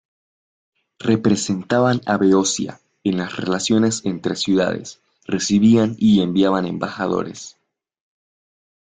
Representaban a Beocia en las relaciones entre ciudades, recibían y enviaban embajadores.